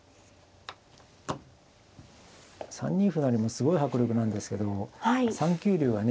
３二歩成もすごい迫力なんですけど３九竜はね